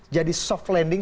jadi soft landing